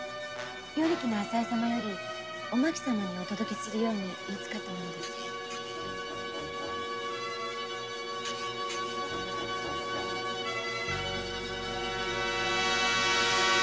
与力の浅井様よりお牧様にお届けするように言いつかった者でございます。